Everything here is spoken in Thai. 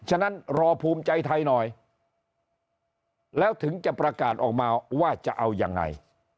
ฉะนั้นรอภูมิใจไทยหน่อยแล้วถึงจะประกาศออกมาว่าจะเอายังไง